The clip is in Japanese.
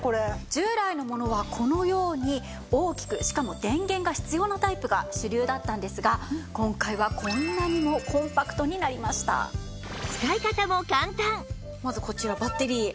従来のものはこのように大きくしかも電源が必要なタイプが主流だったんですが今回はこんなにもまずこちらバッテリー。